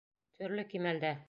Төрлө кимәлдә.